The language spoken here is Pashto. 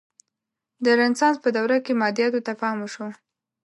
د رنسانس په دوره کې مادیاتو ته پام وشو.